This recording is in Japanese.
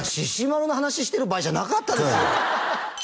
丸の話してる場合じゃなかったですよ